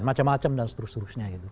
macam macam dan seterusnya